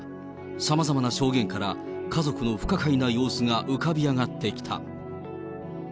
さまざまな証言から、家族の不可解な様子が浮かび上がってきた。